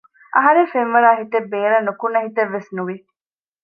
އަހަރެން ފެންވަރާހިތެއް ބޭރަށް ނުކުނަ ހިތެއްވެސް ނުވި